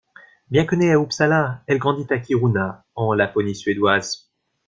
Bien que née à Uppsala, elle grandit à Kiruna en Laponie suédoise.